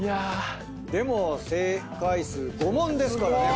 でも正解数５問ですからね。